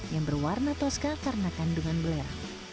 yang berwarna toska karena kandungan belera